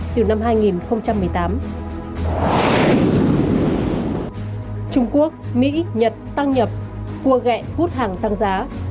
trung quốc mỹ nhật tăng nhập cua gẹ hút hàng tăng giá